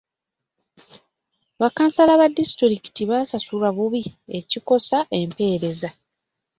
Ba kansala ba disitulikiti basasulwa bubi ekikosa empeereza.